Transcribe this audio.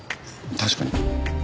確かに。